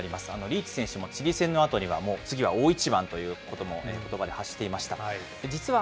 リーチ選手も、チリ戦のあとは、次は大一番ということもことばを発していました。